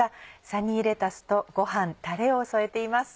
サニーレタスとご飯タレを添えています。